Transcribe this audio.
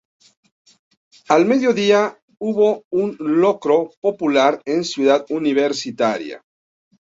Al mediodía hubo un locro popular en Ciudad Universitaria.